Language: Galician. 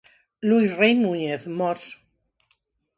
Luís Rei Núñez, Mos.